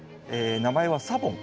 名前はサボン。